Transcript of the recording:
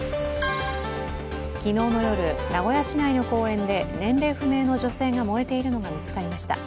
昨日の夜、名古屋市内の公園で年齢不明の女性が燃えているのが見つかりました。